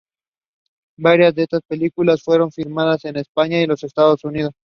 Varias de estas películas fueron filmadas en España y los Estados Unidos.